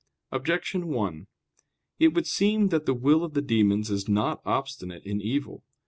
Objection 1: It would seem that the will of the demons is not obstinate in evil.